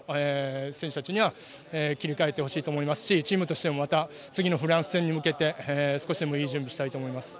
選手たちには切り替えてほしいと思いますしチームとしてもまた次のフランス戦に向けて少しでもいい準備をしたいと思います。